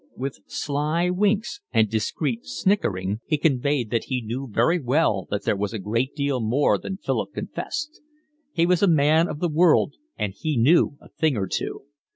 With sly winks and discreet sniggering he conveyed that he knew very well that there was a great deal more than Philip confessed. He was a man of the world, and he knew a thing or two.